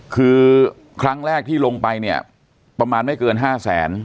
คือครั้งแรกที่ลงไปเนี่ยประมาณไม่เกิน๕แสน